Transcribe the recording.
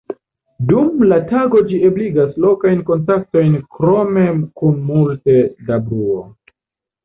Dum la tago ĝi nur ebligas lokajn kontaktojn krome kun multe da bruo.